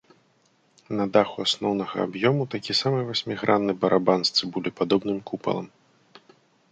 На даху асноўнага аб'ёму такі самы васьмігранны барабан з цыбулепадобным купалам.